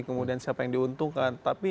kemudian siapa yang diuntungkan